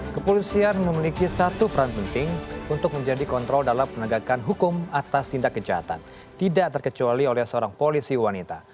kepolisian memiliki satu peran penting untuk menjadi kontrol dalam penegakan hukum atas tindak kejahatan tidak terkecuali oleh seorang polisi wanita